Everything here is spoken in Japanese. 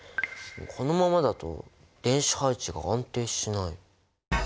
このままだと電子配置が安定しない。